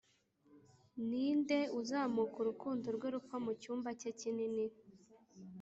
ninde uzamuka urukundo rwe rupfa mucyumba cye kinini,